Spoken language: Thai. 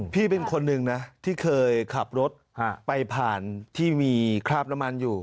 พี่เป็นคนหนึ่งนะที่เคยขับรถไปผ่านที่มีคราบน้ำมันอยู่